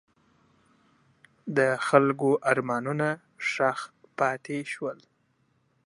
د خلکو ارمانونه ښخ پاتې شول.